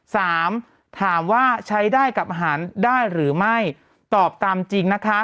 สามถามว่าใช้ได้กับอาหารได้หรือไม่ตอบตามจริงนะคะ